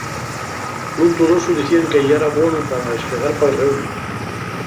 L'untu d'osu dicían que yara buonu pa esfregar pal reuma.